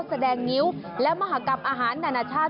แสดงงิ้วและมหากรรมอาหารนานาชาติ